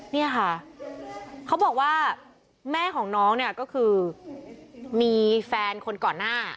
เนี่ยค่ะเขาบอกว่าแม่ของน้องเนี่ยก็คือมีแฟนคนก่อนหน้า